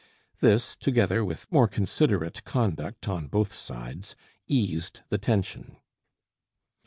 This, together with more considerate conduct on both sides, eased the tension.